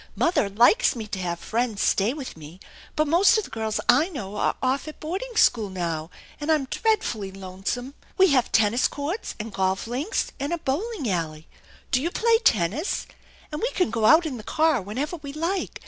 Mother likes me to have friends stay with me, but most of the girls I know are off at boarding school now, and I'm dreadfully lonesome. We have tennis courts and golf links and a bowling alley. Do you play tennis ? And we can go out in the car whenever we like.